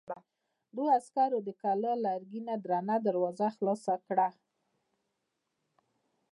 دوو عسکرو د کلا لرګينه درنه دروازه خلاصه کړه.